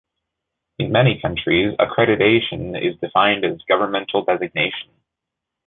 In many countries, accreditation is defined as a governmental designation.